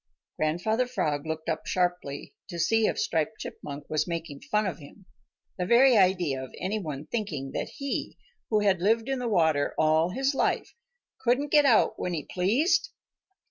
Grandfather Frog looked up sharply to see if Striped Chipmunk was making fun of him. The very idea of any one thinking that he, who had lived in the water all his life, couldn't get out when he pleased!